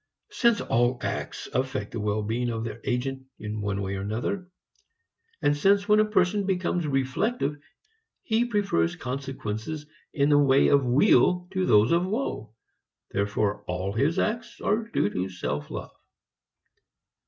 Since all acts affect the well being of their agent in one way or another, and since when a person becomes reflective he prefers consequences in the way of weal to those of woe, therefore all his acts are due to self love.